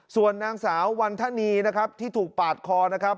ส่วนนางสาววันธนีนะครับที่ถูกปาดคอนะครับ